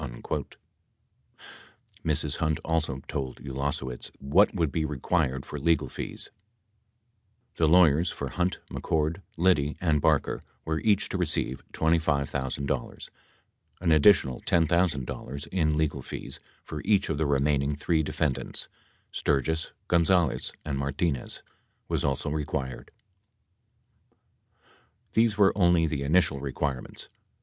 78 Mrs. Hunt also told Ulasewicz what would be required for legal fees. The lawyers for Hunt, McCord, Liddy and Barker were each to receive $25,000 ; an additional $10,000 in legal fees for each of the remaining three defendants, Sturgis, Gonzales and Martinez, was also required. These were only the initial requirements.